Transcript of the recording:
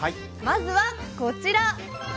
まずはこちら。